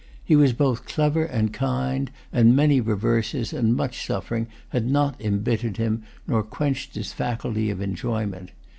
He was both clever and kind, and many reverses and much suffering had not imbittered him nor quenched his faculty of enjoyment.